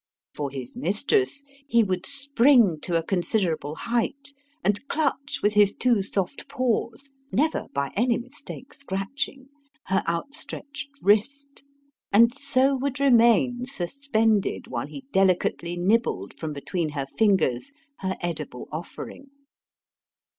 For his mistress, he would spring to a considerable height and clutch with his two soft paws never by any mistake scratching her outstretched wrist, and so would remain suspended while he delicately nibbled from between her fingers her edible offering.